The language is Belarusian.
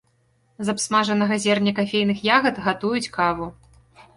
З абсмажанага зерня кафейных ягад гатуюць каву.